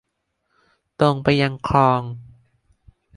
ตรงไปยังคลอง